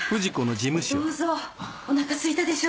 どうぞおなかすいたでしょ？